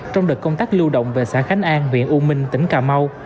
trong đợt công tác lưu động về xã khánh an huyện u minh tỉnh cà mau